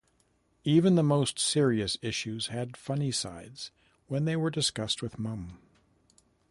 Even the most serious issues had funny sides when they were discussed with Mum.